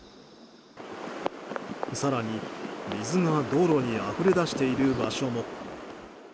更に、水が道路にあふれ出している場所も。